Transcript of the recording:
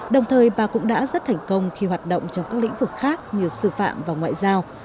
đồng thời bà cũng đã rất thành công khi hoạt động trong các lĩnh vực khác như sư phạm và ngoại giao